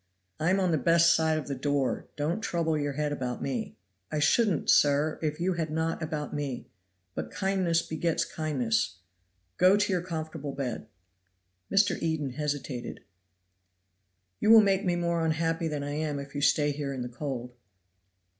"I am on the best side of the door; don't trouble your head about me." "I shouldn't, sir, if you had not about me but kindness begets kindness. Go to your comfortable bed." Mr. Eden hesitated. "You will make me more unhappy than I am, if you stay here in the cold."